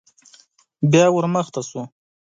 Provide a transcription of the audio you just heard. بيا ور مخته شو.